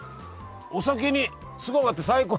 お酒にすごい合って最高。